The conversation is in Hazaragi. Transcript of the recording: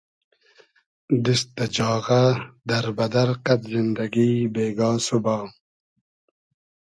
دیست دۂ جاغۂ، دئر بئدئر قئد زیندئگی بېگا سوبا